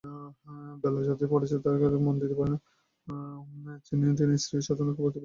তিনি শ্রীচৈতন্যকে অবতার ঘোষণা করেন।